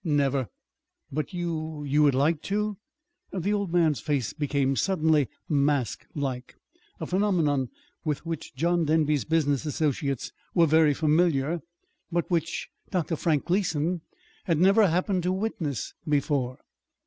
"Never." "But you you would like to!" The old man's face became suddenly mask like a phenomenon with which John Denby's business associates were very familiar, but which Dr. Frank Gleason had never happened to witness before.